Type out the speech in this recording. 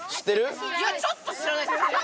ちょっと知らないっす！